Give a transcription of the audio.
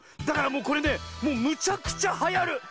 だからもうこれねもうむちゃくちゃはやる！